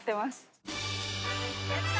やった！